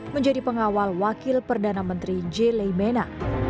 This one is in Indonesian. menjadi pengawal wakil perdana menteri j leimena